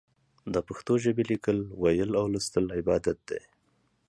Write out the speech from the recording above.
د پښتو ژبې ليکل، ويل او ولوستل عبادت دی.